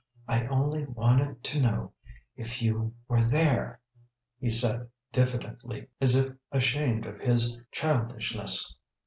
I only wanted to know if you were there," he said diffidently, as if ashamed of his childishness.